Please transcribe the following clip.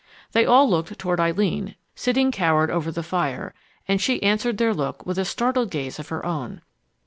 They all looked toward Eileen, sitting cowered over the fire, and she answered their look with a startled gaze of her own.